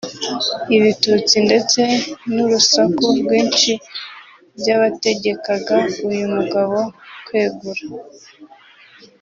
ibitutsi ndetse n’ urusaku rwinshi by’ abategekaga uyu mugabo kwegura